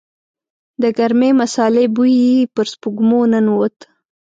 د ګرمې مسالې بوی يې پر سپږمو ننوت.